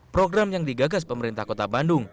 program yang digagas pemerintah kota bandung